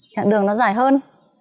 chặng đường nó dài hơn